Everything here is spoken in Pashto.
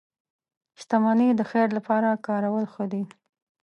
• شتمني د خیر لپاره کارول ښه دي.